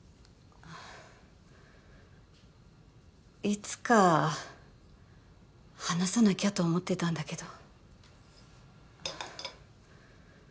いつか話さなきゃと思ってたんだけど。